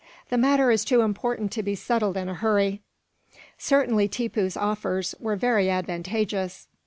The matter is too important to be settled in a hurry. Certainly, Tippoo's offers were very advantageous."